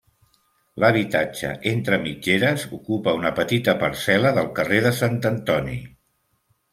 L'habitatge, entre mitgeres, ocupa una petita parcel·la del carrer de Sant Antoni.